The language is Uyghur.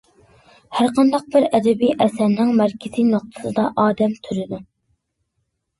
ھەرقانداق بىر ئەدەبىي ئەسەرنىڭ مەركىزىي نۇقتىسىدا ئادەم تۇرىدۇ.